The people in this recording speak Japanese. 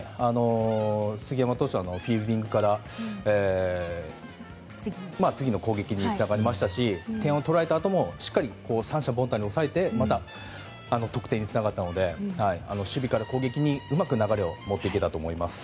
杉山投手のフィールディングから次の攻撃につながりましたし点を取られたあともしっかりと三者凡退に抑えてから得点につながったので守備から攻撃にうまく流れを持っていけたと思います。